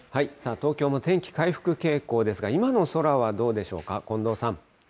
東京も天気回復傾向ですが、今の空はどうでしょうか。